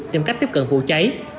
tìm cách tiếp cận vụ cháy